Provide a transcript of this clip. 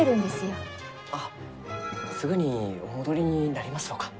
あっすぐにお戻りになりますろうか？